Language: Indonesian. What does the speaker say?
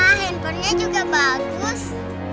wah handphonenya juga bagus